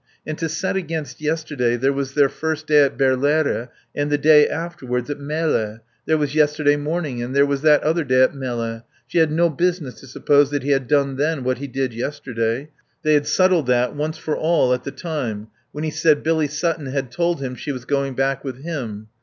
And to set against yesterday there was their first day at Berlaere and the day afterwards at Melle; there was yesterday morning and there was that other day at Melle. She had no business to suppose that he had done then what he did yesterday. They had settled that once for all at the time, when he said Billy Sutton had told him she was going back with him.